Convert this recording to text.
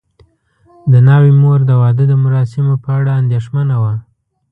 د ناوې مور د واده د مراسمو په اړه اندېښمنه وه.